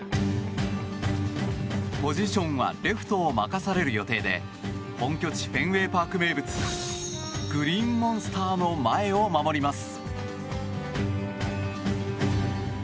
ポジションはレフトを任される予定で本拠地フェンウェイパーク名物グリーンモンスターの前を守ります。